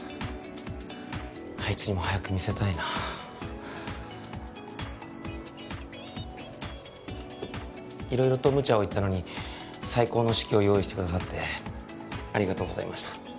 あいつにも早く見せたいな色々とむちゃを言ったのに最高の式を用意してくださってありがとうございました